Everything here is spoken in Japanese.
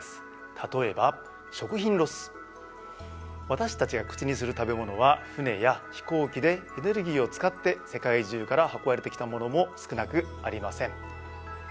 私たちが口にする食べ物は船や飛行機でエネルギーを使って世界中から運ばれてきたものも少なくありません。